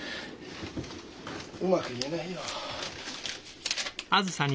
うまく言えないよ。